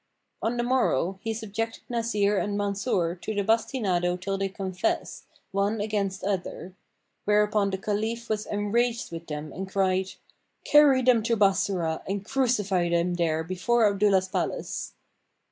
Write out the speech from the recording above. On the morrow, he subjected Nasir and Mansur to the bastinado till they confessed, one against other: whereupon the Caliph was enraged with them and cried, "Carry them to Bassorah and crucify them there before Abdullah's palace."